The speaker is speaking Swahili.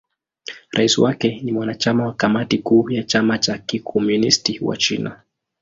Rais wake ni mwanachama wa Kamati Kuu ya Chama cha Kikomunisti cha China.